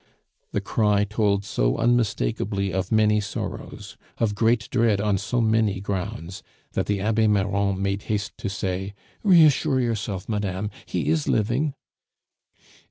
The cry told so unmistakably of many sorrows, of great dread on so many grounds, that the Abbe Marron made haste to say, "Reassure yourself, madame; he is living."